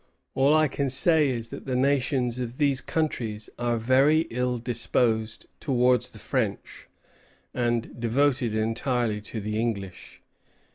All I can say is, that the nations of these countries are very ill disposed towards the French, and devoted entirely to the English."